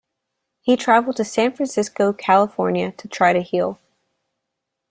He traveled to San Francisco, California to try to heal.